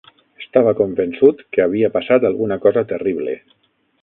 Estava convençut que havia passat alguna cosa terrible.